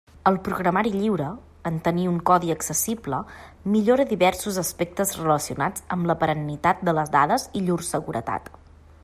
El programari lliure, en tenir un codi accessible, millora diversos aspectes relacionats amb la perennitat de les dades i llur seguretat.